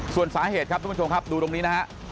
ส่วนสาเหตุครับทุกผู้ชมครับดูตรงนี้นะฮะ